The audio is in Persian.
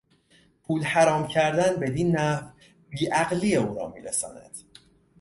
پول حرام کردن بدین نحو بی عقلی او را میرساند.